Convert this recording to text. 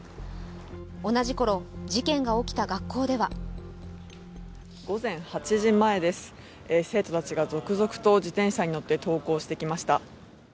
同じころ、事件が起きた学校では午前８時前です、生徒たちが続々と自転車に乗って登校してきました。